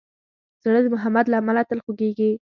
زړه د محبت له امله تل خوږېږي.